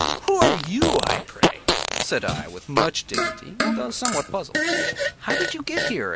” “Who are you, pray?” said I, with much dignity, although somewhat puzzled; “how did you get here?